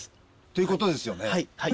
ということですよね。